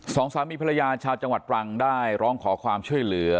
สองสามีภรรยาชาวจังหวัดตรังได้ร้องขอความช่วยเหลือ